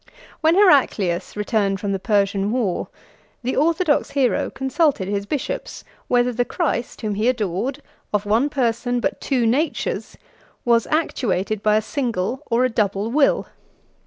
When Heraclius returned from the Persian war, the orthodox hero consulted his bishops, whether the Christ whom he adored, of one person, but of two natures, was actuated by a single or a double will.